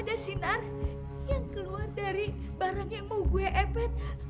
ada sinar yang keluar dari barang yang mau gue dapet